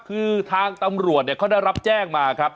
คือทางตำรวจเขาได้รับแจ้งมาครับ